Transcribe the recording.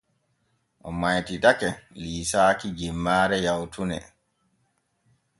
O maytitake liisaaki jemmaare yawtune.